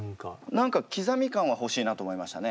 何か刻み感は欲しいなと思いましたね。